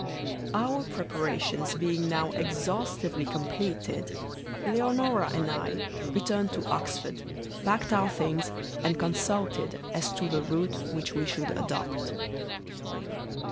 Our preparations being now exhaustively completed, Leonora and I returned to Oxford, packed our things, and consulted as to the route which we should adopt.